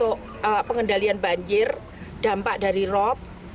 jadi kita bisa mendapatkan tempat dari rop